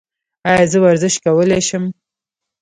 ایا زه ورزش کولی شم؟